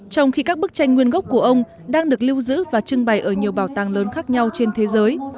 trong khi các bức tranh nguyên gốc của ông đang được lưu giữ và trưng bày ở nhiều bảo tàng lớn khác nhau trên thế giới